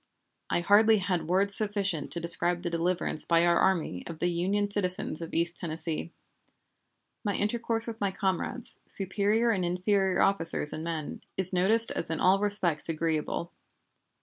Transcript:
I hardly had words sufficient to describe the deliverance by our army of the Union citizens of East Tennessee. My intercourse with my comrades, superior and inferior officers and men, is noticed as in all respects agreeable.